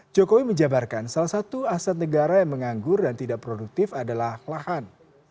jokowi menjabarkan salah satu aset negara yang menganggur dan tidak produktif adalah lahan